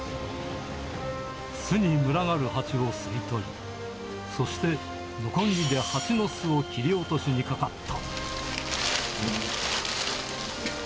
巣に群がるハチを吸い取り、そして、のこぎりでハチの巣を切り落としにかかった。